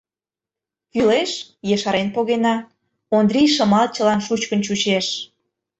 Кӱлеш — ешарен погена, — Ондрий Шымалчылан шучкын чучеш.